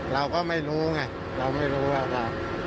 เราก็ไม่รู้ไงเราไม่รู้ว่าค่ะ